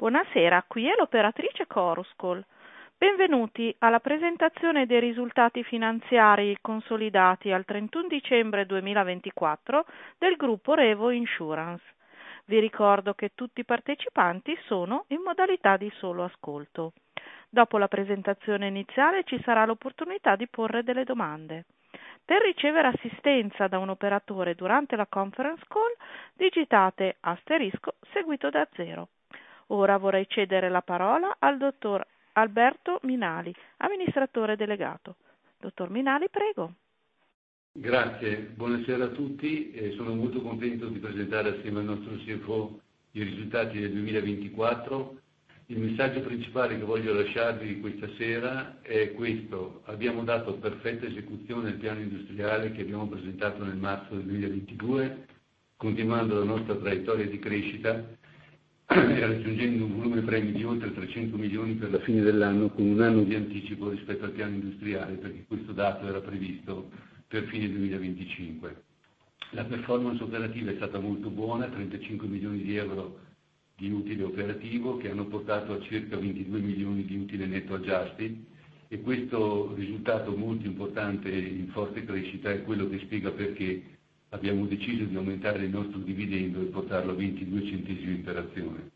Buonasera, qui è l'operatrice Coruscol. Benvenuti alla presentazione dei risultati finanziari consolidati al 31 dicembre 2024 del Gruppo REVO Insurance. Vi ricordo che tutti i partecipanti sono in modalità di solo ascolto. Dopo la presentazione iniziale ci sarà l'opportunità di porre delle domande. Per ricevere assistenza da un operatore durante la conference call, digitate * seguito da 0. Ora vorrei cedere la parola al Dottor Alberto Minali, Amministratore Delegato. Dottor Minali, prego. Grazie, buonasera a tutti. Sono molto contento di presentare assieme al nostro CFO i risultati del 2024. Il messaggio principale che voglio lasciarvi questa sera è questo: abbiamo dato perfetta esecuzione al piano industriale che abbiamo presentato nel marzo del 2022, continuando la nostra traiettoria di crescita e raggiungendo un volume premi di oltre €300 milioni per la fine dell'anno, con un anno di anticipo rispetto al piano industriale, perché questo dato era previsto per fine 2025. La performance operativa è stata molto buona: €35 milioni di utile operativo, che hanno portato a circa €22 milioni di utile netto adjusted. Questo risultato molto importante, in forte crescita, è quello che spiega perché abbiamo deciso di aumentare il nostro dividendo e portarlo a €0,22 per azione.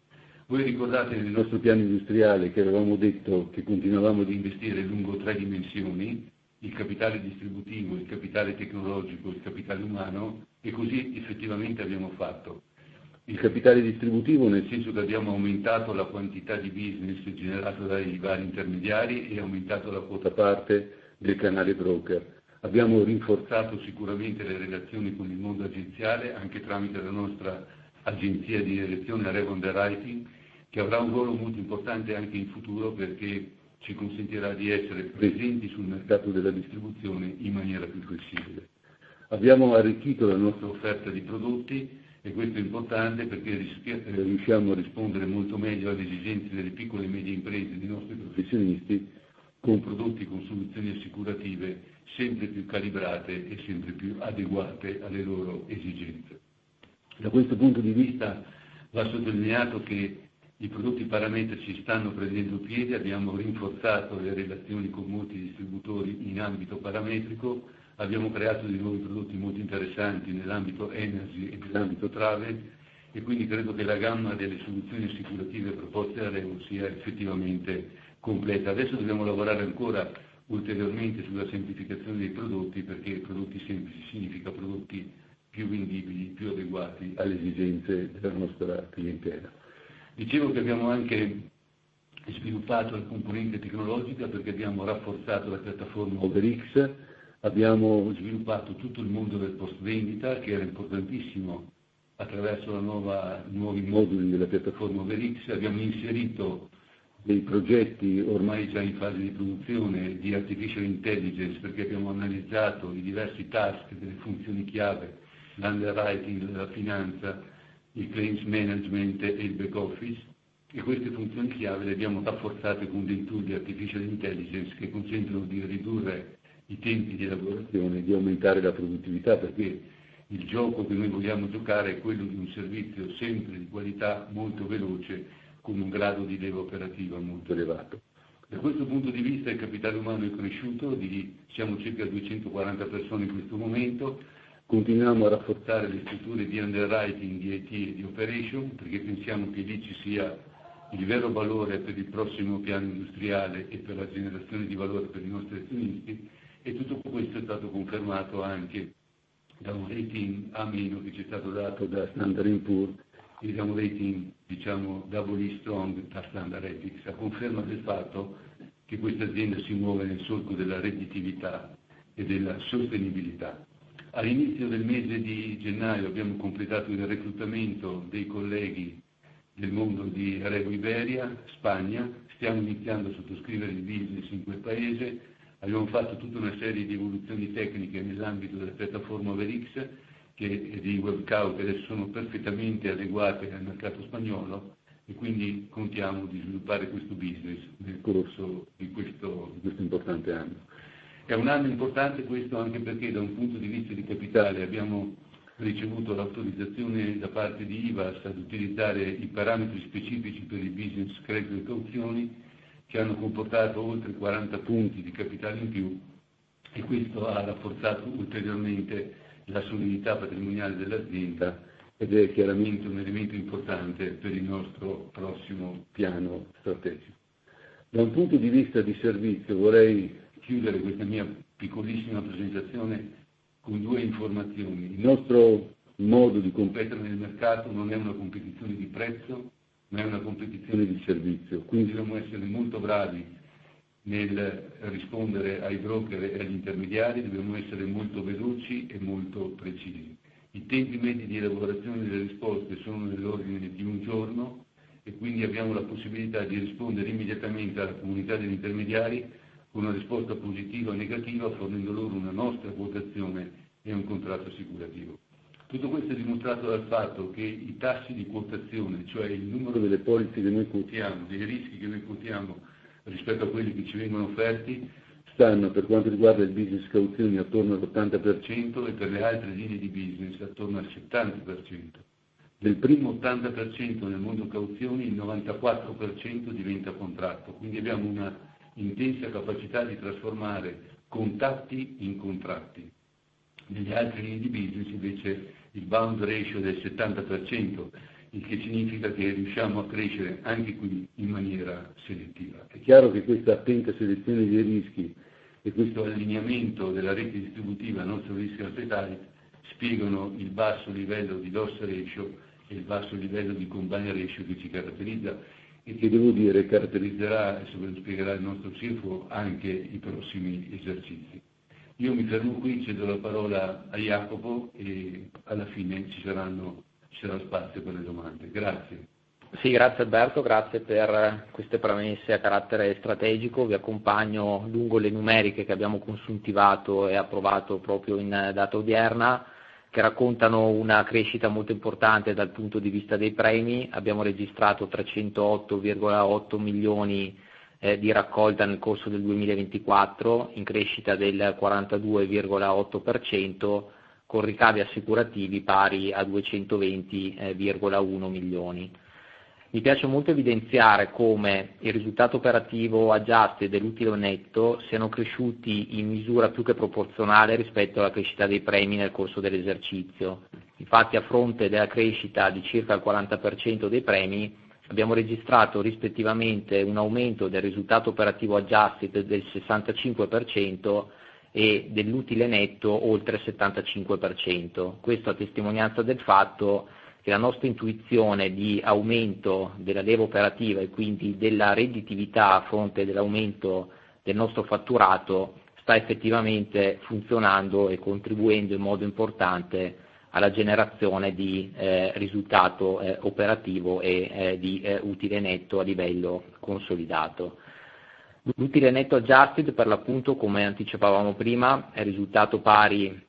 Voi ricordate nel nostro piano industriale che avevamo detto che continuavamo ad investire lungo tre dimensioni: il capitale distributivo, il capitale tecnologico, il capitale umano, e così effettivamente abbiamo fatto. Il capitale distributivo nel senso che abbiamo aumentato la quantità di business generato dai vari intermediari e aumentato la quota parte del canale broker. Abbiamo rinforzato sicuramente le relazioni con il mondo agenziale, anche tramite la nostra agenzia di direzione REVO Insurance, che avrà un ruolo molto importante anche in futuro, perché ci consentirà di essere presenti sul mercato della distribuzione in maniera più flessibile. Abbiamo arricchito la nostra offerta di prodotti e questo è importante perché riusciamo a rispondere molto meglio alle esigenze delle piccole e medie imprese e dei nostri professionisti, con prodotti e con soluzioni assicurative sempre più calibrate e sempre più adeguate alle loro esigenze. Da questo punto di vista va sottolineato che i prodotti parametrici stanno prendendo piede. Abbiamo rinforzato le relazioni con molti distributori in ambito parametrico. Abbiamo creato dei nuovi prodotti molto interessanti nell'ambito energy e nell'ambito travel, e quindi credo che la gamma delle soluzioni assicurative proposte da REVO Insurance sia effettivamente completa. Adesso dobbiamo lavorare ancora ulteriormente sulla semplificazione dei prodotti, perché prodotti semplici significa prodotti più vendibili, più adeguati alle esigenze della nostra clientela. Dicevo che abbiamo anche sviluppato la componente tecnologica, perché abbiamo rafforzato la piattaforma OVERX. Abbiamo sviluppato tutto il mondo del post-vendita, che era importantissimo attraverso i nuovi moduli della piattaforma OVERX. Abbiamo inserito dei progetti, ormai già in fase di produzione, di artificial intelligence, perché abbiamo analizzato i diversi task delle funzioni chiave: l'underwriting, la finanza, il claims management e il back office. E queste funzioni chiave le abbiamo rafforzate con dei tool di artificial intelligence che consentono di ridurre i tempi di elaborazione e di aumentare la produttività, perché il gioco che noi vogliamo giocare è quello di un servizio sempre di qualità, molto veloce, con un grado di leva operativa molto elevato. Da questo punto di vista il capitale umano è cresciuto: siamo circa 240 persone in questo momento. Continuiamo a rafforzare le strutture di underwriting, di IT e di operation, perché pensiamo che lì ci sia il vero valore per il prossimo piano industriale e per la generazione di valore per i nostri azionisti. E tutto questo è stato confermato anche da un rating A- che ci è stato dato da Standard & Poor's, e da un rating, diciamo, double E strong da Standard & Poor's, a conferma del fatto che questa azienda si muove nel solco della redditività e della sostenibilità. All'inizio del mese di gennaio abbiamo completato il reclutamento dei colleghi del mondo di REVO Iberia Spagna. Stiamo iniziando a sottoscrivere il business in quel paese. Abbiamo fatto tutta una serie di evoluzioni tecniche nell'ambito della piattaforma OVERX, che di web count adesso sono perfettamente adeguate al mercato spagnolo, e quindi contiamo di sviluppare questo business nel corso di questo importante anno. È un anno importante questo, anche perché da un punto di vista di capitale abbiamo ricevuto l'autorizzazione da parte di IVASS ad utilizzare i parametri specifici per il business credit e cauzioni, che hanno comportato oltre 40 punti di capitale in più, e questo ha rafforzato ulteriormente la solidità patrimoniale dell'azienda ed è chiaramente un elemento importante per il nostro prossimo piano strategico. Da un punto di vista di servizio vorrei chiudere questa mia piccolissima presentazione con due informazioni: il nostro modo di competere nel mercato non è una competizione di prezzo, ma è una competizione di servizio. Quindi dobbiamo essere molto bravi nel rispondere ai broker e agli intermediari, dobbiamo essere molto veloci e molto precisi. I tempi medi di elaborazione delle risposte sono nell'ordine di un giorno, e quindi abbiamo la possibilità di rispondere immediatamente alla comunità degli intermediari con una risposta positiva o negativa, fornendo loro una nostra quotazione e un contratto assicurativo. Tutto questo è dimostrato dal fatto che i tassi di quotazione, cioè il numero delle polizze che noi quotiamo, dei rischi che noi quotiamo rispetto a quelli che ci vengono offerti, stanno per quanto riguarda il business cauzioni attorno all'80% e per le altre linee di business attorno al 70%. Del primo 80% nel mondo cauzioni, il 94% diventa contratto. Quindi abbiamo una intensa capacità di trasformare contatti in contratti. Nelle altre linee di business invece il bound ratio è del 70%, il che significa che riusciamo a crescere anche qui in maniera selettiva. È chiaro che questa attenta selezione dei rischi e questo allineamento della rete distributiva al nostro risk asset type spiegano il basso livello di loss ratio e il basso livello di combine ratio che ci caratterizza, e che devo dire caratterizzerà e spiegherà il nostro CFO anche i prossimi esercizi. Io mi fermo qui, cedo la parola a Jacopo, e alla fine ci sarà spazio per le domande. Grazie. Sì, grazie Alberto, grazie per queste premesse a carattere strategico. Vi accompagno lungo le numeriche che abbiamo consuntivato e approvato proprio in data odierna, che raccontano una crescita molto importante dal punto di vista dei premi. Abbiamo registrato €308,8 milioni di raccolta nel corso del 2024, in crescita del 42,8% con ricavi assicurativi pari a €220,1 milioni. Mi piace molto evidenziare come il risultato operativo adjusted e l'utile netto siano cresciuti in misura più che proporzionale rispetto alla crescita dei premi nel corso dell'esercizio. Infatti, a fronte della crescita di circa il 40% dei premi, abbiamo registrato rispettivamente un aumento del risultato operativo adjusted del 65% e dell'utile netto oltre il 75%. Questo a testimonianza del fatto che la nostra intuizione di aumento della leva operativa e quindi della redditività a fronte dell'aumento del nostro fatturato sta effettivamente funzionando e contribuendo in modo importante alla generazione di risultato operativo e di utile netto a livello consolidato. L'utile netto adjusted, per l'appunto, come anticipavamo prima, è risultato pari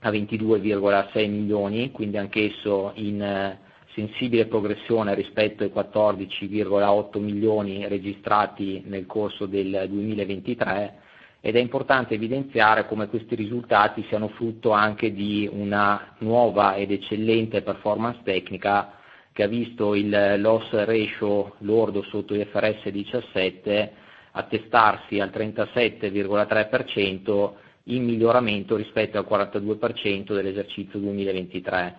a €22,6 milioni, quindi anch'esso in sensibile progressione rispetto ai €14,8 milioni registrati nel corso del 2023. È importante evidenziare come questi risultati siano frutto anche di una nuova ed eccellente performance tecnica, che ha visto il loss ratio lordo sotto gli IFRS 17 attestarsi al 37,3%, in miglioramento rispetto al 42% dell'esercizio 2023.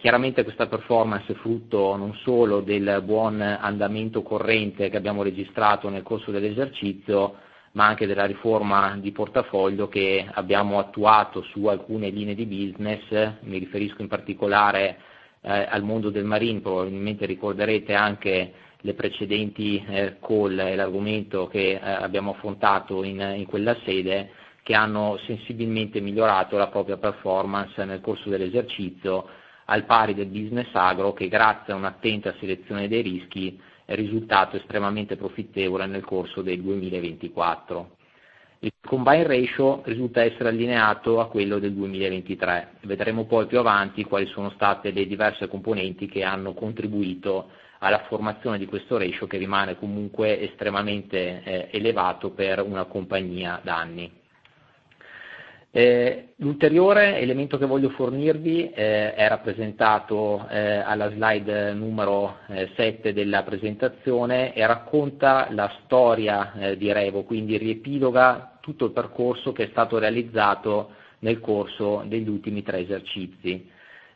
Chiaramente questa performance è frutto non solo del buon andamento corrente che abbiamo registrato nel corso dell'esercizio, ma anche della riforma di portafoglio che abbiamo attuato su alcune linee di business. Mi riferisco in particolare al mondo del marine. Probabilmente ricorderete anche le precedenti call e l'argomento che abbiamo affrontato in quella sede, che hanno sensibilmente migliorato la propria performance nel corso dell'esercizio, al pari del business agro che, grazie a un'attenta selezione dei rischi, è risultato estremamente profittevole nel corso del 2024. Il combine ratio risulta essere allineato a quello del 2023. Vedremo poi più avanti quali sono state le diverse componenti che hanno contribuito alla formazione di questo ratio, che rimane comunque estremamente elevato per una compagnia da anni. L'ulteriore elemento che voglio fornirvi è rappresentato alla slide numero 7 della presentazione e racconta la storia di REVO, quindi riepiloga tutto il percorso che è stato realizzato nel corso degli ultimi tre esercizi.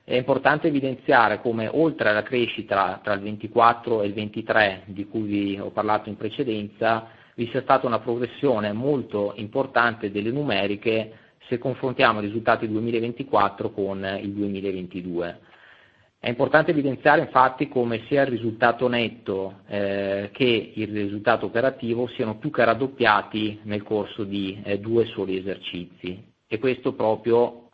È importante evidenziare come, oltre alla crescita tra il 2024 e il 2023, di cui vi ho parlato in precedenza, vi sia stata una progressione molto importante delle numeriche se confrontiamo i risultati del 2024 con il 2022. È importante evidenziare, infatti, come sia il risultato netto che il risultato operativo siano più che raddoppiati nel corso di due soli esercizi. Questo proprio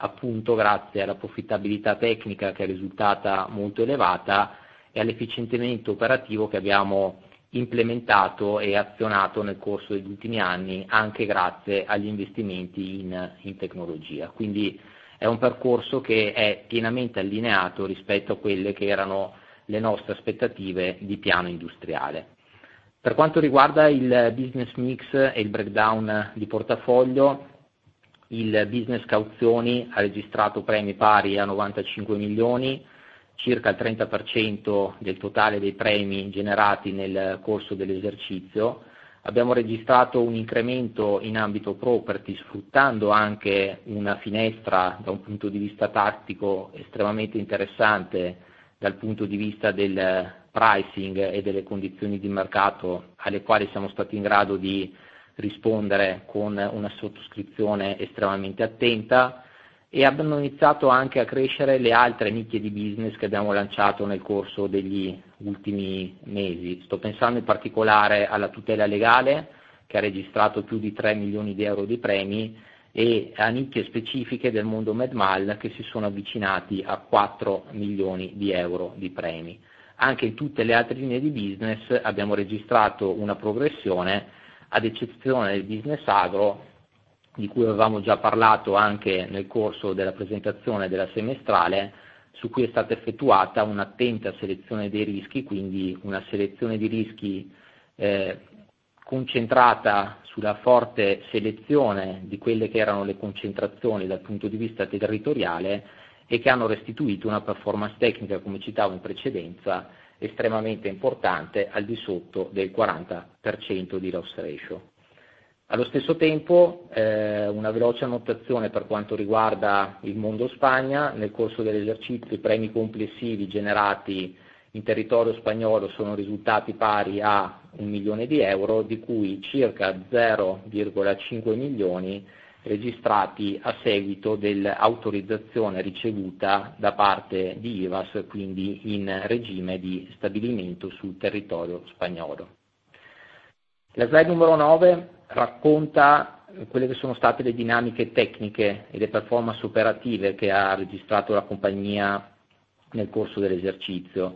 grazie alla profittabilità tecnica, che è risultata molto elevata, e all'efficientamento operativo che abbiamo implementato e azionato nel corso degli ultimi anni, anche grazie agli investimenti in tecnologia. Quindi è un percorso che è pienamente allineato rispetto a quelle che erano le nostre aspettative di piano industriale. Per quanto riguarda il business mix e il breakdown di portafoglio, il business cauzioni ha registrato premi pari a €95 milioni, circa il 30% del totale dei premi generati nel corso dell'esercizio. Abbiamo registrato un incremento in ambito property, sfruttando anche una finestra, da un punto di vista tattico, estremamente interessante dal punto di vista del pricing e delle condizioni di mercato, alle quali siamo stati in grado di rispondere con una sottoscrizione estremamente attenta. Abbiamo iniziato anche a crescere le altre nicchie di business che abbiamo lanciato nel corso degli ultimi mesi. Sto pensando in particolare alla tutela legale, che ha registrato più di €3 milioni di premi, e a nicchie specifiche del mondo med-man, che si sono avvicinati a €4 milioni di premi. Anche in tutte le altre linee di business abbiamo registrato una progressione, ad eccezione del business agro, di cui avevamo già parlato anche nel corso della presentazione della semestrale, su cui è stata effettuata un'attenta selezione dei rischi, quindi una selezione di rischi concentrata sulla forte selezione di quelle che erano le concentrazioni dal punto di vista territoriale e che hanno restituito una performance tecnica, come citavo in precedenza, estremamente importante, al di sotto del 40% di loss ratio. Allo stesso tempo, una veloce annotazione per quanto riguarda il mondo Spagna: nel corso dell'esercizio, i premi complessivi generati in territorio spagnolo sono risultati pari a €1 milione, di cui circa €0,5 milioni registrati a seguito dell'autorizzazione ricevuta da parte di IVAS, quindi in regime di stabilimento sul territorio spagnolo. La slide numero 9 racconta quelle che sono state le dinamiche tecniche e le performance operative che ha registrato la compagnia nel corso dell'esercizio.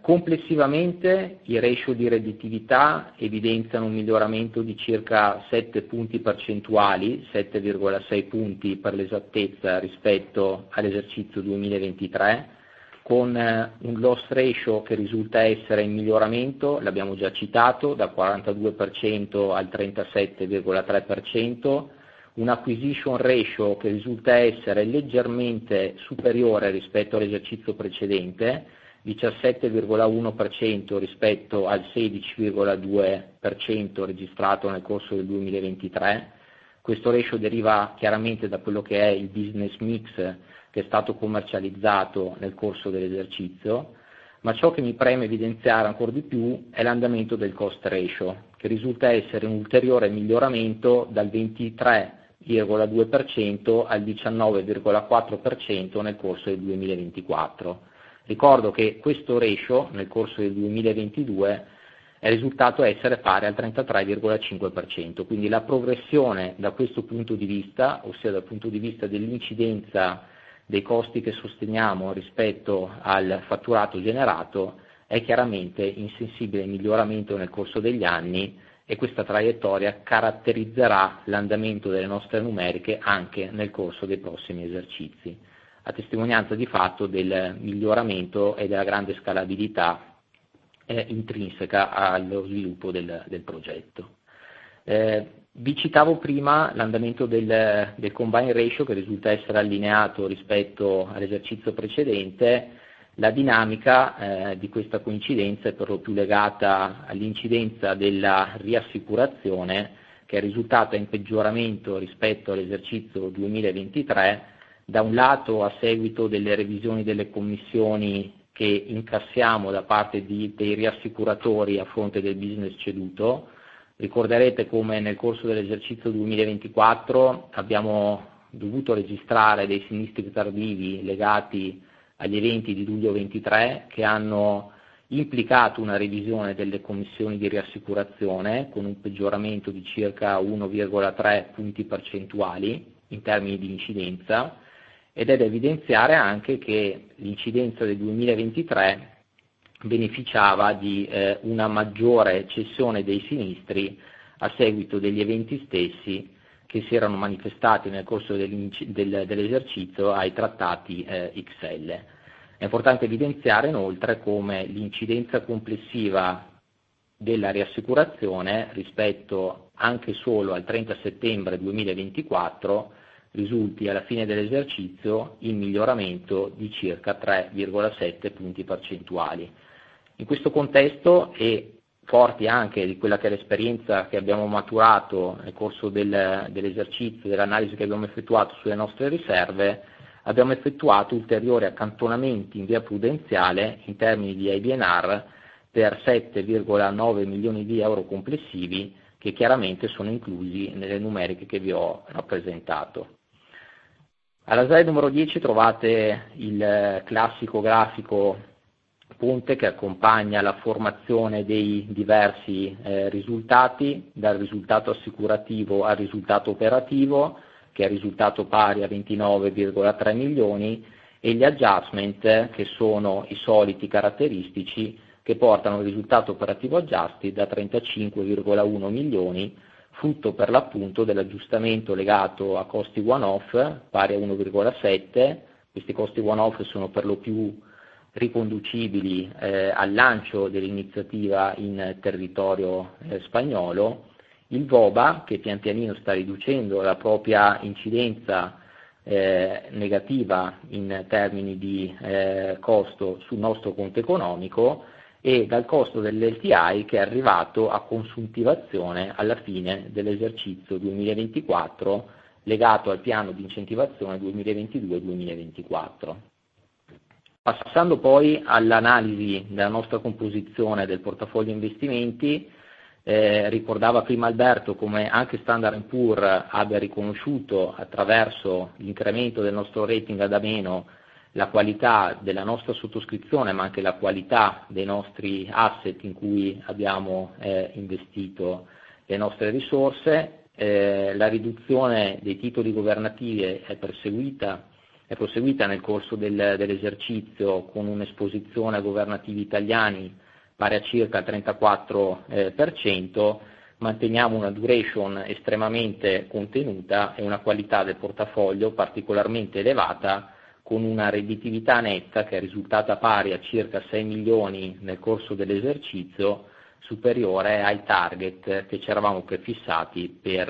Complessivamente, i ratio di redditività evidenziano un miglioramento di circa 7 punti percentuali, 7,6 punti per l'esattezza rispetto all'esercizio 2023, con un loss ratio che risulta essere in miglioramento, l'abbiamo già citato, da 42% al 37,3%, un acquisition ratio che risulta essere leggermente superiore rispetto all'esercizio precedente, 17,1% rispetto al 16,2% registrato nel corso del 2023. Questo ratio deriva chiaramente da quello che è il business mix che è stato commercializzato nel corso dell'esercizio. Ma ciò che mi preme evidenziare ancor di più è l'andamento del cost ratio, che risulta essere un ulteriore miglioramento dal 23,2% al 19,4% nel corso del 2024. Ricordo che questo ratio nel corso del 2022 è risultato essere pari al 33,5%. Quindi la progressione da questo punto di vista, ossia dal punto di vista dell'incidenza dei costi che sosteniamo rispetto al fatturato generato, è chiaramente in sensibile miglioramento nel corso degli anni, e questa traiettoria caratterizzerà l'andamento delle nostre numeriche anche nel corso dei prossimi esercizi, a testimonianza di fatto del miglioramento e della grande scalabilità intrinseca allo sviluppo del progetto. Vi citavo prima l'andamento del combine ratio che risulta essere allineato rispetto all'esercizio precedente. La dinamica di questa coincidenza è per lo più legata all'incidenza della riassicurazione, che è risultata in peggioramento rispetto all'esercizio 2023, da un lato a seguito delle revisioni delle commissioni che incassiamo da parte dei riassicuratori a fronte del business ceduto. Ricorderete come nel corso dell'esercizio 2024 abbiamo dovuto registrare dei sinistri tardivi legati agli eventi di luglio 2023, che hanno implicato una revisione delle commissioni di riassicurazione con un peggioramento di circa 1,3 punti percentuali in termini di incidenza. È da evidenziare anche che l'incidenza del 2023 beneficiava di una maggiore cessione dei sinistri a seguito degli eventi stessi che si erano manifestati nel corso dell'esercizio ai trattati XL. È importante evidenziare inoltre come l'incidenza complessiva della riassicurazione rispetto, anche solo al 30 settembre 2024, risulti alla fine dell'esercizio in miglioramento di circa 3,7 punti percentuali. In questo contesto, e forti anche di quella che è l'esperienza che abbiamo maturato nel corso dell'esercizio, dell'analisi che abbiamo effettuato sulle nostre riserve, abbiamo effettuato ulteriori accantonamenti in via prudenziale in termini di IBNR per €7,9 milioni complessivi, che chiaramente sono inclusi nelle numeriche che vi ho rappresentato. Alla slide numero 10 trovate il classico grafico ponte che accompagna la formazione dei diversi risultati, dal risultato assicurativo al risultato operativo, che è risultato pari a €29,3 milioni, e gli adjustment, che sono i soliti caratteristici che portano il risultato operativo adjusted a €35,1 milioni, frutto per l'appunto dell'aggiustamento legato a costi one-off pari a €1,7. Questi costi one-off sono per lo più riconducibili al lancio dell'iniziativa in territorio spagnolo. Il VOBA, che pian pianino sta riducendo la propria incidenza negativa in termini di costo sul nostro conto economico, e dal costo dell'LTI che è arrivato a consuntivazione alla fine dell'esercizio 2024, legato al piano di incentivazione 2022-2024. Passando poi all'analisi della nostra composizione del portafoglio investimenti, ricordava prima Alberto come anche Standard & Poor's abbia riconosciuto, attraverso l'incremento del nostro rating ad A-, la qualità della nostra sottoscrizione, ma anche la qualità dei nostri asset in cui abbiamo investito le nostre risorse. La riduzione dei titoli governativi è proseguita nel corso dell'esercizio con un'esposizione a governativi italiani pari a circa il 34%. Manteniamo una duration estremamente contenuta e una qualità del portafoglio particolarmente elevata, con una redditività netta che è risultata pari a circa €6 milioni nel corso dell'esercizio, superiore ai target che ci eravamo prefissati per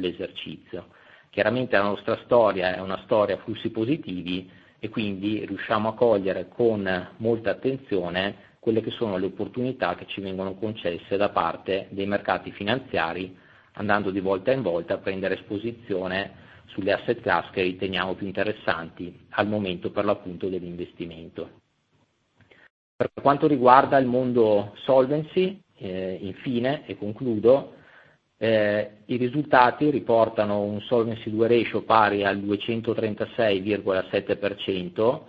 l'esercizio. Chiaramente la nostra storia è una storia a flussi positivi e quindi riusciamo a cogliere con molta attenzione quelle che sono le opportunità che ci vengono concesse da parte dei mercati finanziari, andando di volta in volta a prendere esposizione sugli asset class che riteniamo più interessanti al momento dell'investimento. Per quanto riguarda il mondo solvency, infine, e concludo, i risultati riportano un solvency ratio pari al 236,7%.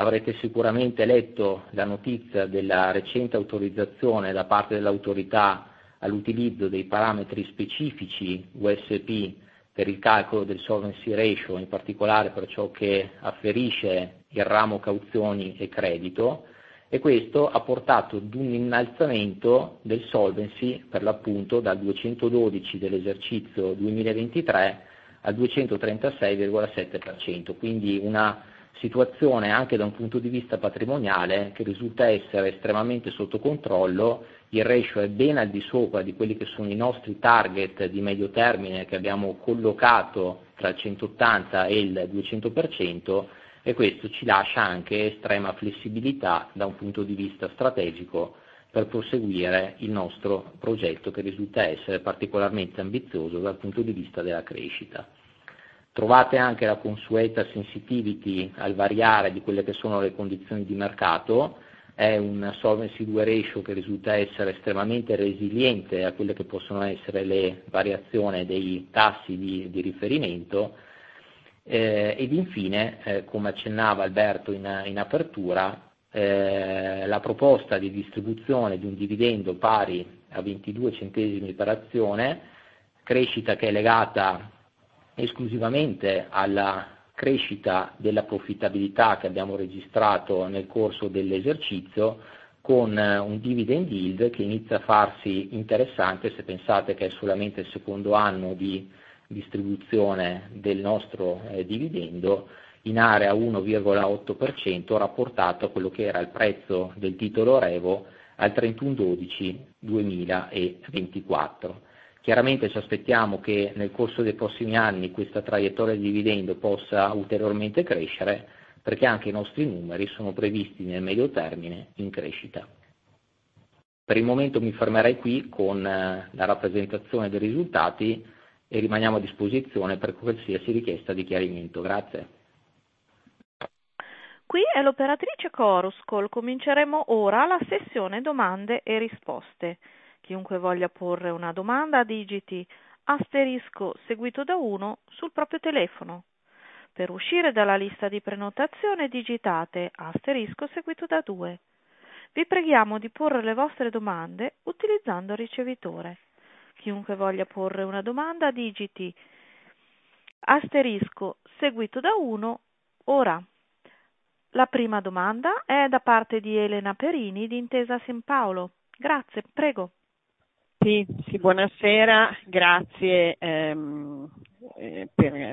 Avrete sicuramente letto la notizia della recente autorizzazione da parte dell'autorità all'utilizzo dei parametri specifici USP per il calcolo del solvency ratio, in particolare per ciò che afferisce il ramo cauzioni e credito, e questo ha portato ad un innalzamento del solvency dal 212% dell'esercizio 2023 al 236,7%. Quindi una situazione, anche da un punto di vista patrimoniale, che risulta essere estremamente sotto controllo. Il ratio è ben al di sopra di quelli che sono i nostri target di medio termine che abbiamo collocato tra il 180% e il 200%, e questo ci lascia anche estrema flessibilità da un punto di vista strategico per proseguire il nostro progetto, che risulta essere particolarmente ambizioso dal punto di vista della crescita. Trovate anche la consueta sensitivity al variare di quelle che sono le condizioni di mercato. È un solvency ratio che risulta essere estremamente resiliente a quelle che possono essere le variazioni dei tassi di riferimento. Ed infine, come accennava Alberto in apertura, la proposta di distribuzione di un dividendo pari a €0,22 per azione, crescita che è legata esclusivamente alla crescita della profittabilità che abbiamo registrato nel corso dell'esercizio, con un dividend yield che inizia a farsi interessante se pensate che è solamente il secondo anno di distribuzione del nostro dividendo in area 1,8%, rapportato a quello che era il prezzo del titolo Revo al 31/12/2024. Chiaramente ci aspettiamo che nel corso dei prossimi anni questa traiettoria di dividendo possa ulteriormente crescere, perché anche i nostri numeri sono previsti nel medio termine in crescita. Per il momento mi fermerei qui con la rappresentazione dei risultati e rimaniamo a disposizione per qualsiasi richiesta di chiarimento. Grazie. Qui è l'operatrice Choruscol. Cominceremo ora la sessione domande e risposte. Chiunque voglia porre una domanda digiti asterisco seguito da 1 sul proprio telefono. Per uscire dalla lista di prenotazione digitate asterisco seguito da 2. Vi preghiamo di porre le vostre domande utilizzando il ricevitore. Chiunque voglia porre una domanda digiti asterisco seguito da 1. Ora la prima domanda è da parte di Elena Perini di Intesa Sanpaolo. Grazie, prego. Sì, buonasera, grazie per aver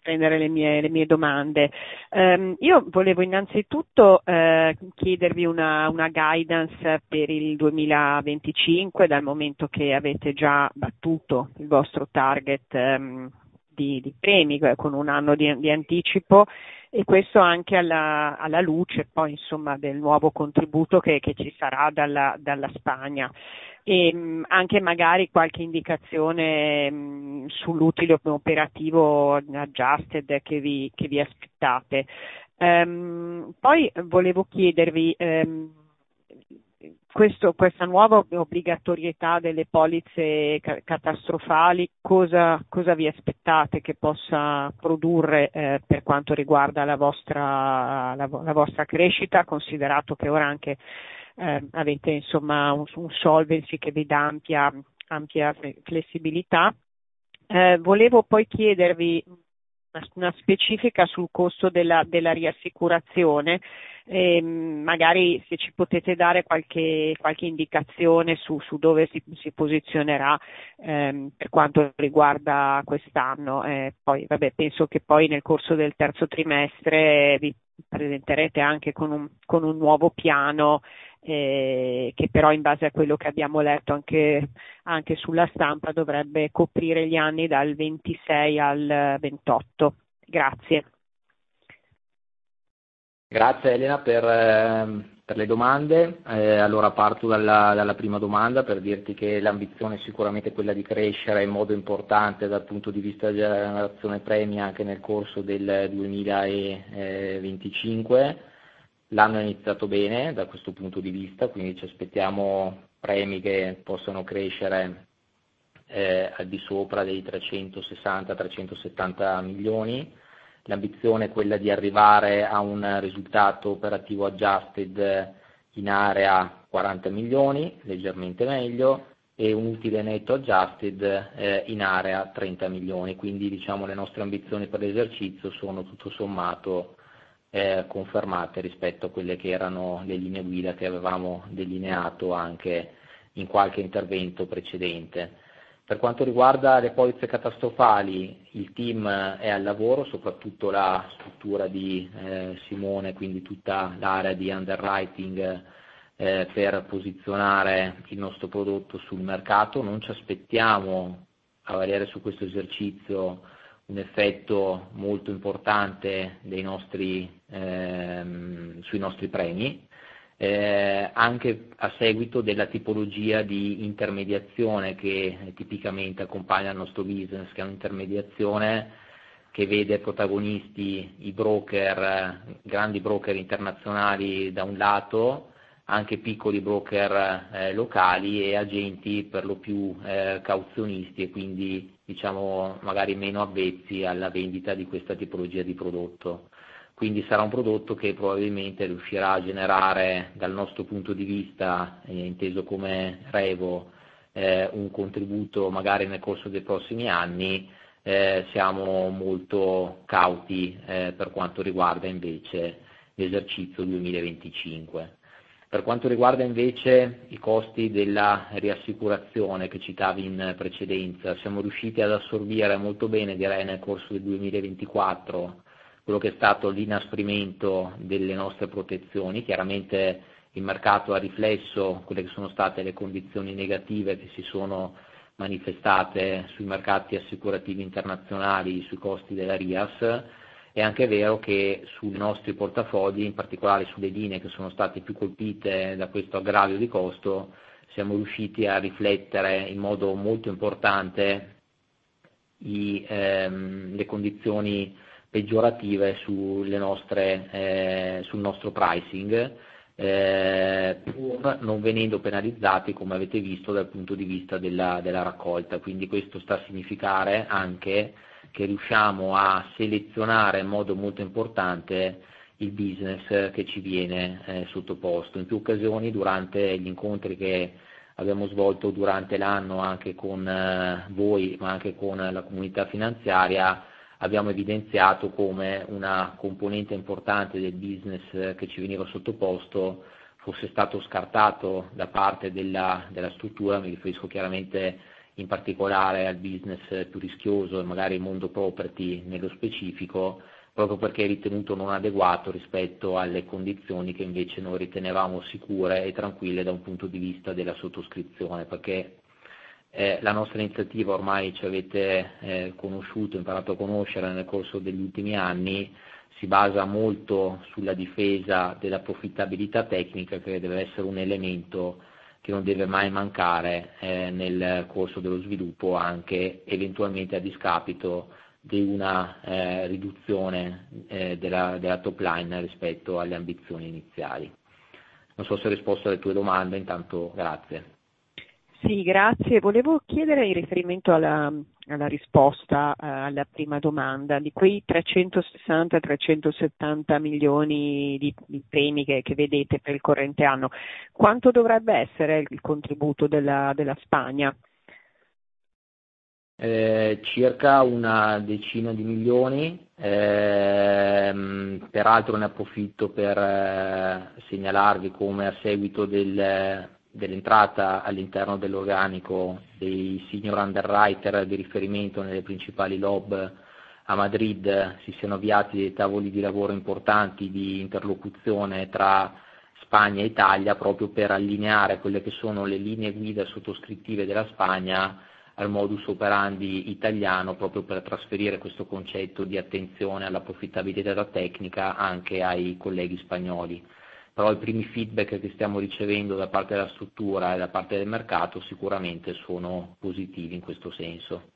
preso le mie domande. Volevo innanzitutto chiedervi una guidance per il 2025, dal momento che avete già battuto il vostro target di premi con un anno di anticipo, e questo anche alla luce del nuovo contributo che ci sarà dalla Spagna. E anche magari qualche indicazione sull'utile operativo adjusted che vi aspettate. Poi volevo chiedervi questa nuova obbligatorietà delle polizze catastrofali cosa vi aspettate che possa produrre per quanto riguarda la vostra crescita, considerato che ora avete un solvency che vi dà ampia flessibilità. Volevo poi chiedervi una specifica sul costo della riassicurazione, magari se ci potete dare qualche indicazione su dove si posizionerà per quanto riguarda quest'anno. Poi vabbè, penso che poi nel corso del terzo trimestre vi presenterete anche con un nuovo piano che però, in base a quello che abbiamo letto anche sulla stampa, dovrebbe coprire gli anni dal 2026 al 2028. Grazie. Grazie Elena per le domande. Allora parto dalla prima domanda per dirti che l'ambizione è sicuramente quella di crescere in modo importante dal punto di vista della generazione premi anche nel corso del 2025. L'anno è iniziato bene da questo punto di vista, quindi ci aspettiamo premi che possano crescere al di sopra dei €360-370 milioni. L'ambizione è quella di arrivare a un risultato operativo adjusted in area €40 milioni, leggermente meglio, e un utile netto adjusted in area €30 milioni. Quindi diciamo le nostre ambizioni per l'esercizio sono tutto sommato confermate rispetto a quelle che erano le linee guida che avevamo delineato anche in qualche intervento precedente. Per quanto riguarda le polizze catastrofali, il team è al lavoro, soprattutto la struttura di Simone, quindi tutta l'area di underwriting per posizionare il nostro prodotto sul mercato. Non ci aspettiamo, a valere su questo esercizio, un effetto molto importante sui nostri premi, anche a seguito della tipologia di intermediazione che tipicamente accompagna il nostro business, che è un'intermediazione che vede protagonisti i broker, grandi broker internazionali da un lato, anche piccoli broker locali e agenti per lo più cauzionisti, e quindi diciamo magari meno avvezzi alla vendita di questa tipologia di prodotto. Quindi sarà un prodotto che probabilmente riuscirà a generare, dal nostro punto di vista, inteso come Revo, un contributo magari nel corso dei prossimi anni. Siamo molto cauti per quanto riguarda invece l'esercizio 2025. Per quanto riguarda invece i costi della riassicurazione che citavi in precedenza, siamo riusciti ad assorbire molto bene, direi, nel corso del 2024, quello che è stato l'inasprimento delle nostre protezioni. Chiaramente il mercato ha riflesso quelle che sono state le condizioni negative che si sono manifestate sui mercati assicurativi internazionali, sui costi della riassicurazione, ed è anche vero che sui nostri portafogli, in particolare sulle linee che sono state più colpite da questo aggravio di costo, siamo riusciti a riflettere in modo molto importante le condizioni peggiorative sul nostro pricing, pur non venendo penalizzati, come avete visto, dal punto di vista della raccolta. Quindi questo sta a significare anche che riusciamo a selezionare in modo molto importante il business che ci viene sottoposto. In più occasioni, durante gli incontri che abbiamo svolto durante l'anno anche con voi, ma anche con la comunità finanziaria, abbiamo evidenziato come una componente importante del business che ci veniva sottoposto fosse stato scartato da parte della struttura. Mi riferisco chiaramente in particolare al business più rischioso, e magari il mondo property nello specifico, proprio perché è ritenuto non adeguato rispetto alle condizioni che invece noi ritenevamo sicure e tranquille da un punto di vista della sottoscrizione. Perché la nostra iniziativa, ormai ci avete conosciuto, imparato a conoscere nel corso degli ultimi anni, si basa molto sulla difesa della profittabilità tecnica, che deve essere un elemento che non deve mai mancare nel corso dello sviluppo, anche eventualmente a discapito di una riduzione della top line rispetto alle ambizioni iniziali. Non so se ho risposto alle tue domande, intanto grazie. Sì, grazie. Volevo chiedere in riferimento alla risposta alla prima domanda. Di quei €360-370 milioni di premi che vedete per il corrente anno, quanto dovrebbe essere il contributo della Spagna? Circa una decina di milioni. Peraltro ne approfitto per segnalarvi come a seguito dell'entrata all'interno dell'organico dei senior underwriter di riferimento nelle principali LOB a Madrid si siano avviati dei tavoli di lavoro importanti di interlocuzione tra Spagna e Italia, proprio per allineare quelle che sono le linee guida sottoscrittive della Spagna al modus operandi italiano, proprio per trasferire questo concetto di attenzione alla profittabilità tecnica anche ai colleghi spagnoli. Però i primi feedback che stiamo ricevendo da parte della struttura e da parte del mercato sicuramente sono positivi in questo senso.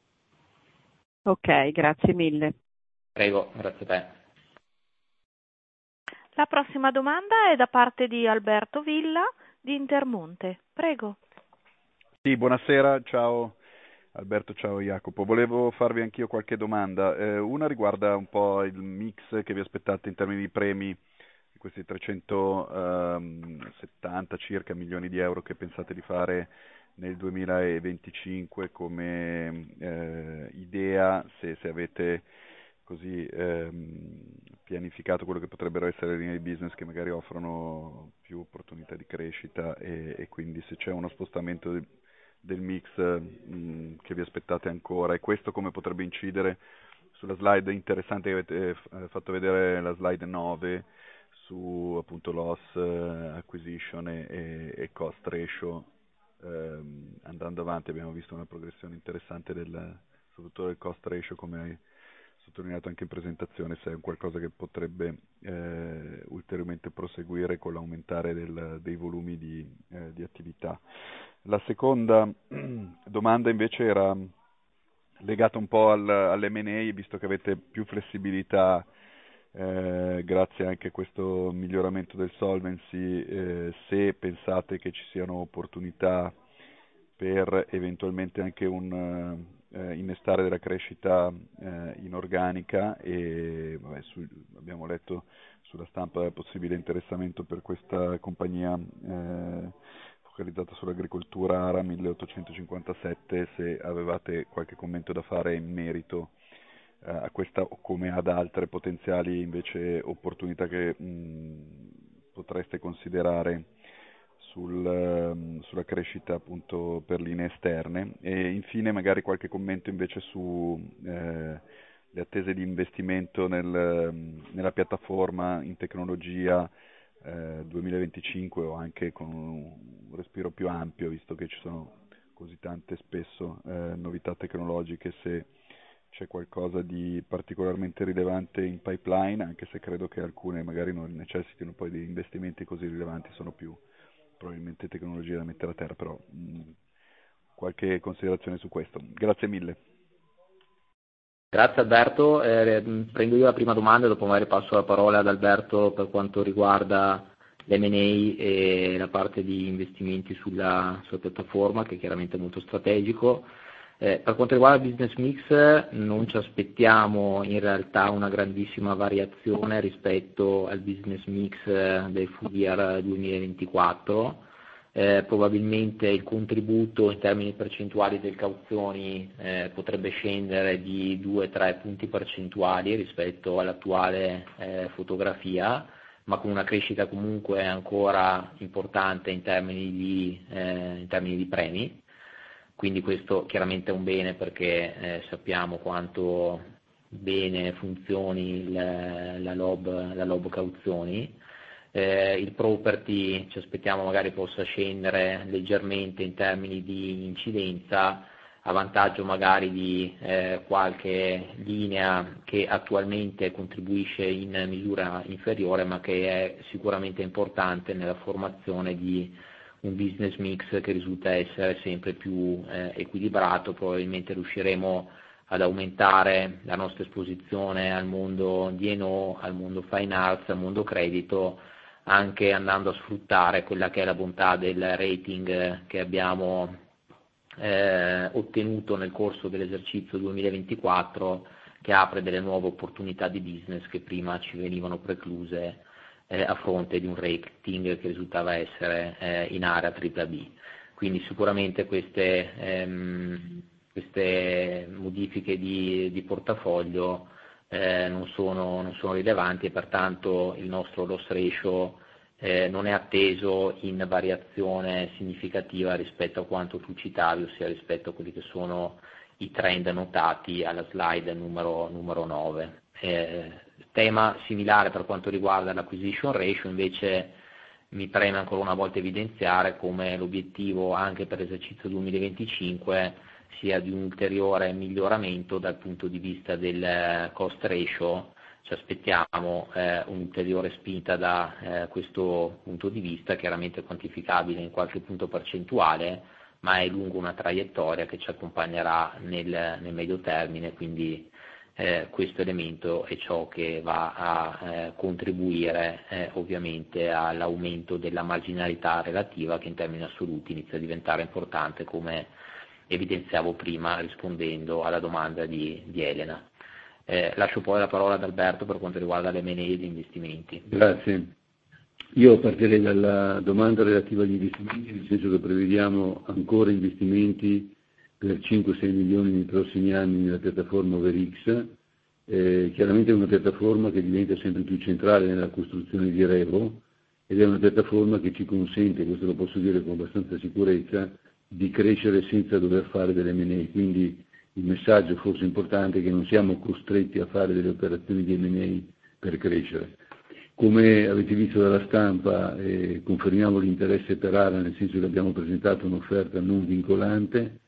Ok, grazie mille. Prego, grazie a te. La prossima domanda è da parte di Alberto Villa di Intermonte. Prego. Sì, buonasera, ciao Alberto, ciao Iacopo. Volevo farvi anch'io qualche domanda. Una riguarda un po' il mix che vi aspettate in termini di premi di questi €370 milioni circa che pensate di fare nel 2025 come idea, se avete così pianificato quello che potrebbero essere le linee di business che magari offrono più opportunità di crescita e quindi se c'è uno spostamento del mix che vi aspettate ancora. E questo come potrebbe incidere sulla slide interessante che avete fatto vedere, la slide 9, su appunto loss acquisition e cost ratio? Andando avanti abbiamo visto una progressione interessante del, soprattutto del cost ratio, come hai sottolineato anche in presentazione, se è qualcosa che potrebbe ulteriormente proseguire con l'aumentare dei volumi di attività. La seconda domanda invece era legata un po' all'M&A, visto che avete più flessibilità grazie anche a questo miglioramento del solvency. Se pensate che ci siano opportunità per eventualmente anche innestare della crescita organica e abbiamo letto sulla stampa del possibile interessamento per questa compagnia focalizzata sull'agricoltura ARA 1857, se avevate qualche commento da fare in merito a questa o come ad altre potenziali opportunità che potreste considerare sulla crescita appunto per linee esterne. E infine magari qualche commento invece sulle attese di investimento nella piattaforma in tecnologia 2025 o anche con un respiro più ampio, visto che ci sono così tante spesso novità tecnologiche, se c'è qualcosa di particolarmente rilevante in pipeline, anche se credo che alcune magari non necessitino poi di investimenti così rilevanti, sono più probabilmente tecnologie da mettere a terra. Però qualche considerazione su questo. Grazie mille. Grazie Alberto. Prendo io la prima domanda, dopo magari passo la parola ad Alberto per quanto riguarda l'M&A e la parte di investimenti sulla piattaforma, che chiaramente è molto strategico. Per quanto riguarda il business mix, non ci aspettiamo in realtà una grandissima variazione rispetto al business mix del 2024. Probabilmente il contributo in termini percentuali delle cauzioni potrebbe scendere di 2-3 punti percentuali rispetto all'attuale fotografia, ma con una crescita comunque ancora importante in termini di premi. Quindi questo chiaramente è un bene perché sappiamo quanto bene funzioni la LOB cauzioni. Il property ci aspettiamo magari possa scendere leggermente in termini di incidenza, a vantaggio magari di qualche linea che attualmente contribuisce in misura inferiore, ma che è sicuramente importante nella formazione di un business mix che risulta essere sempre più equilibrato. Probabilmente riusciremo ad aumentare la nostra esposizione al mondo D&O, al mondo Fine Arts, al mondo credito, anche andando a sfruttare quella che è la bontà del rating che abbiamo ottenuto nel corso dell'esercizio 2024, che apre delle nuove opportunità di business che prima ci venivano precluse a fronte di un rating che risultava essere in area tripla B. Quindi sicuramente queste modifiche di portafoglio non sono rilevanti e pertanto il nostro loss ratio non è atteso in variazione significativa rispetto a quanto tu citavi, ossia rispetto a quelli che sono i trend notati alla slide numero 9. Tema similare per quanto riguarda l'acquisition ratio. Invece mi preme ancora una volta evidenziare come l'obiettivo anche per l'esercizio 2025 sia di un ulteriore miglioramento dal punto di vista del cost ratio. Ci aspettiamo un'ulteriore spinta da questo punto di vista, chiaramente quantificabile in qualche punto percentuale, ma è lungo una traiettoria che ci accompagnerà nel medio termine. Quindi questo elemento è ciò che va a contribuire ovviamente all'aumento della marginalità relativa che in termini assoluti inizia a diventare importante, come evidenziavo prima rispondendo alla domanda di Elena. Lascio poi la parola ad Alberto per quanto riguarda l'M&A e gli investimenti. Grazie. Io partirei dalla domanda relativa agli investimenti, nel senso che prevediamo ancora investimenti per €5-6 milioni nei prossimi anni nella piattaforma Overex. Chiaramente è una piattaforma che diventa sempre più centrale nella costruzione di Revo ed è una piattaforma che ci consente, questo lo posso dire con abbastanza sicurezza, di crescere senza dover fare dell'M&A. Quindi il messaggio forse importante è che non siamo costretti a fare delle operazioni di M&A per crescere. Come avete visto dalla stampa, confermiamo l'interesse per ARA, nel senso che abbiamo presentato un'offerta non vincolante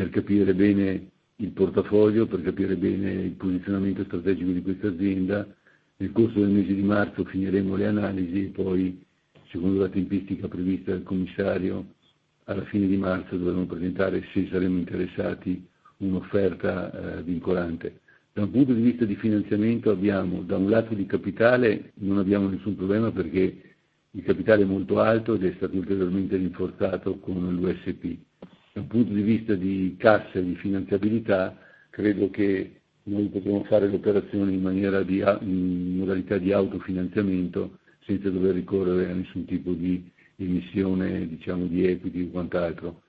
per capire bene il portafoglio, per capire bene il posizionamento strategico di questa azienda. Nel corso del mese di marzo finiremo le analisi e poi, secondo la tempistica prevista dal commissario, alla fine di marzo dovremo presentare, se saremo interessati, un'offerta vincolante. Da un punto di vista di finanziamento abbiamo, da un lato di capitale, non abbiamo nessun problema perché il capitale è molto alto ed è stato ulteriormente rinforzato con l'USP. Da un punto di vista di cassa e di finanziabilità, credo che noi potremo fare l'operazione in modalità di autofinanziamento senza dover ricorrere a nessun tipo di emissione, diciamo di equity o quant'altro,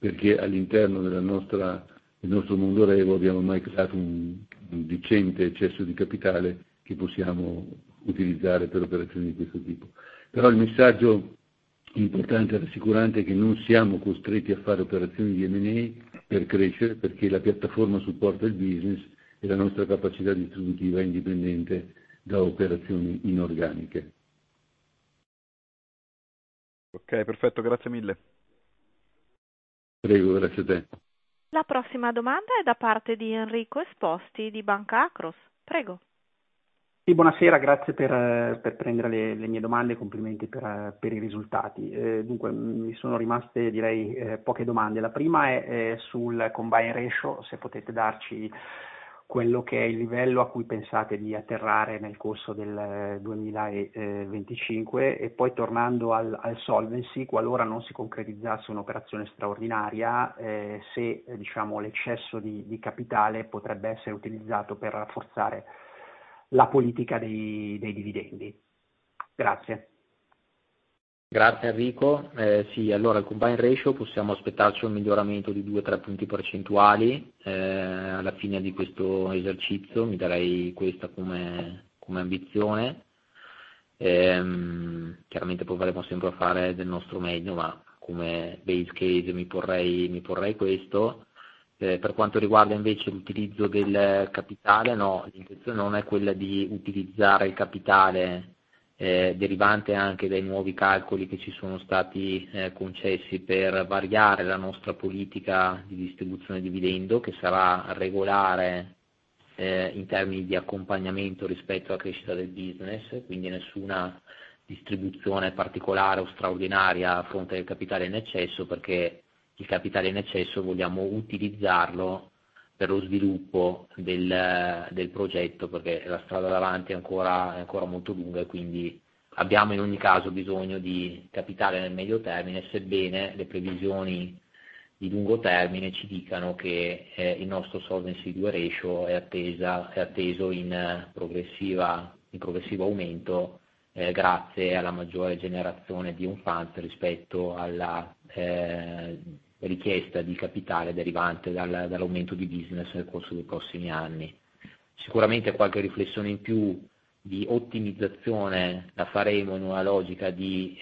perché all'interno del nostro mondo Revo abbiamo ormai creato un decente eccesso di capitale che possiamo utilizzare per operazioni di questo tipo. Però il messaggio importante e rassicurante è che non siamo costretti a fare operazioni di M&A per crescere, perché la piattaforma supporta il business e la nostra capacità distributiva è indipendente da operazioni inorganiche. Ok, perfetto, grazie mille. Prego, grazie a te. La prossima domanda è da parte di Enrico Esposti di Banca Acros. Prego. Sì, buonasera, grazie per prendere le mie domande e complimenti per i risultati. Dunque, mi sono rimaste, direi, poche domande. La prima è sul combine ratio, se potete darci quello che è il livello a cui pensate di atterrare nel corso del 2025 e poi tornando al solvency, qualora non si concretizzasse un'operazione straordinaria, se, diciamo, l'eccesso di capitale potrebbe essere utilizzato per rafforzare la politica dei dividendi. Grazie. Grazie Enrico. Sì, allora, il combine ratio possiamo aspettarci un miglioramento di 2-3 punti percentuali alla fine di questo esercizio. Mi darei questa come ambizione. Chiaramente proveremo sempre a fare del nostro meglio, ma come base case mi porrei questo. Per quanto riguarda invece l'utilizzo del capitale, no, l'intenzione non è quella di utilizzare il capitale derivante anche dai nuovi calcoli che ci sono stati concessi per variare la nostra politica di distribuzione dividendo, che sarà regolare in termini di accompagnamento rispetto alla crescita del business, quindi nessuna distribuzione particolare o straordinaria a fronte del capitale in eccesso, perché il capitale in eccesso vogliamo utilizzarlo per lo sviluppo del progetto, perché la strada davanti è ancora molto lunga e quindi abbiamo in ogni caso bisogno di capitale nel medio termine, sebbene le previsioni di lungo termine ci dicano che il nostro Solvency II ratio è atteso in progressivo aumento grazie alla maggiore generazione di unfuncts rispetto alla richiesta di capitale derivante dall'aumento di business nel corso dei prossimi anni. Sicuramente qualche riflessione in più di ottimizzazione la faremo in una logica di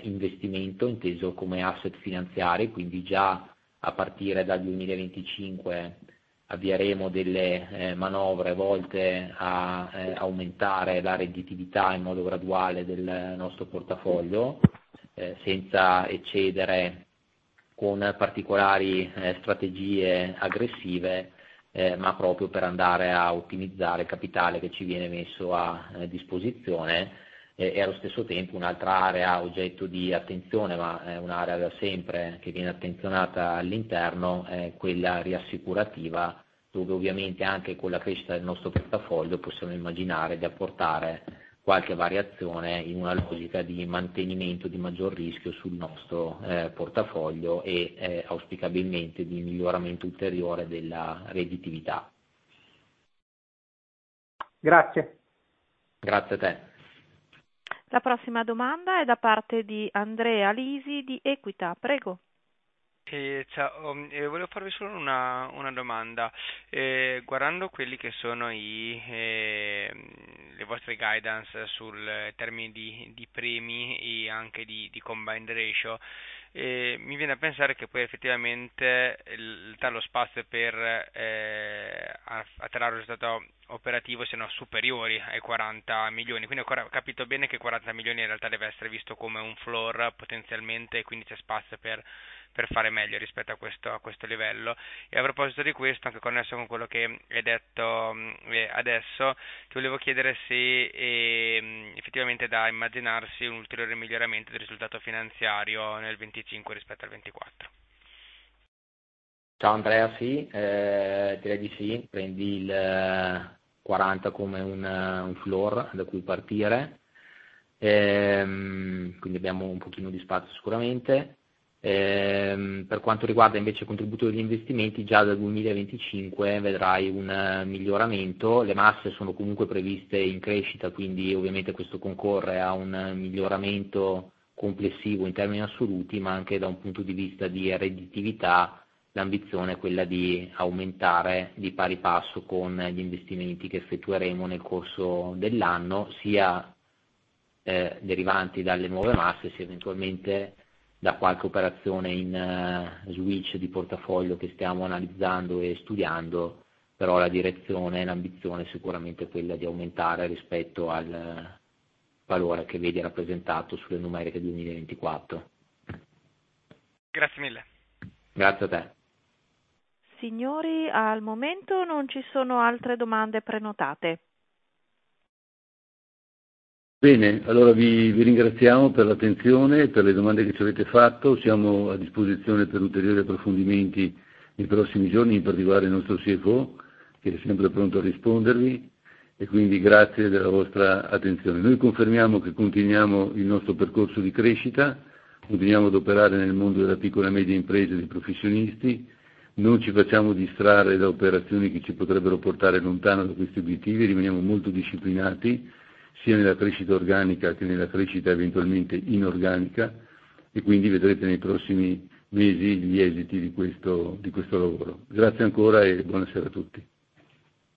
investimento inteso come asset finanziari, quindi già a partire dal 2025 avvieremo delle manovre volte a aumentare la redditività in modo graduale del nostro portafoglio, senza eccedere con particolari strategie aggressive, ma proprio per andare a ottimizzare il capitale che ci viene messo a disposizione e allo stesso tempo un'altra area oggetto di attenzione, ma è un'area da sempre che viene attenzionata all'interno, è quella riassicurativa, dove ovviamente anche con la crescita del nostro portafoglio possiamo immaginare di apportare qualche variazione in una logica di mantenimento di maggior rischio sul nostro portafoglio e auspicabilmente di miglioramento ulteriore della redditività. Grazie. Grazie a te. La prossima domanda è da parte di Andrea Lisi di Equita. Prego. Sì, ciao, volevo farvi solo una domanda. Guardando quelli che sono le vostre guidance sui termini di premi e anche di combine ratio, mi viene a pensare che poi effettivamente lo spazio per attrarre un risultato operativo sia superiore ai €40 milioni, quindi ho capito bene che €40 milioni in realtà deve essere visto come un floor potenzialmente, quindi c'è spazio per fare meglio rispetto a questo livello. E a proposito di questo, anche connesso con quello che hai detto adesso, ti volevo chiedere se effettivamente è da immaginarsi un ulteriore miglioramento del risultato finanziario nel 2025 rispetto al 2024. Ciao Andrea, sì, direi di sì, prendi i €40 come un floor da cui partire, quindi abbiamo un pochino di spazio sicuramente. Per quanto riguarda invece i contributi degli investimenti, già dal 2025 vedrai un miglioramento. Le masse sono comunque previste in crescita, quindi ovviamente questo concorre a un miglioramento complessivo in termini assoluti, ma anche da un punto di vista di redditività l'ambizione è quella di aumentare di pari passo con gli investimenti che effettueremo nel corso dell'anno, sia derivanti dalle nuove masse, sia eventualmente da qualche operazione in switch di portafoglio che stiamo analizzando e studiando. Però la direzione e l'ambizione è sicuramente quella di aumentare rispetto al valore che vedi rappresentato sulle numeriche 2024. Grazie mille. Grazie a te. Signori, al momento non ci sono altre domande prenotate. Bene, allora vi ringraziamo per l'attenzione, per le domande che ci avete fatto. Siamo a disposizione per ulteriori approfondimenti nei prossimi giorni, in particolare il nostro CFO, che è sempre pronto a rispondervi, e quindi grazie della vostra attenzione. Noi confermiamo che continuiamo il nostro percorso di crescita, continuiamo ad operare nel mondo della piccola e media impresa e dei professionisti, non ci facciamo distrarre da operazioni che ci potrebbero portare lontano da questi obiettivi, rimaniamo molto disciplinati sia nella crescita organica che nella crescita eventualmente inorganica, e quindi vedrete nei prossimi mesi gli esiti di questo lavoro. Grazie ancora e buonasera a tutti.